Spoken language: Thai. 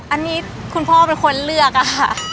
อันนี้คุณพ่อเป็นคนเลือกอะค่ะ